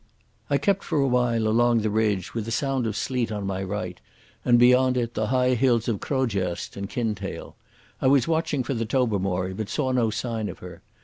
I kept for a while along the ridge, with the Sound of Sleat on my right, and beyond it the high hills of Knoydart and Kintail. I was watching for the Tobermory, but saw no sign of her.